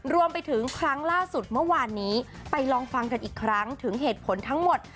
รวมไปถึงครั้งล่าสุดเมื่อวานนี้ไปลองฟังกันอีกครั้งถึงเหตุผลทั้งหมด